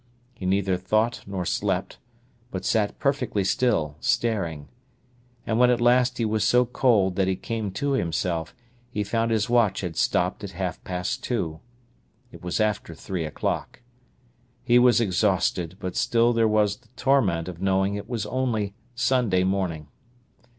He neither thought nor slept, but sat perfectly still, staring. And when at last he was so cold that he came to himself, he found his watch had stopped at half past two. It was after three o'clock. He was exhausted, but still there was the torment of knowing it was only Sunday morning.